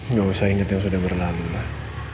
nggak usah inget yang sudah berlalu lah